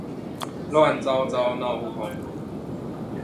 亂糟糟鬧哄哄